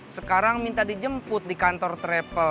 sekarang minta dijemput di kantor travel